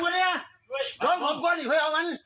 ลองผมก่อนอีกค่ะเอามานี่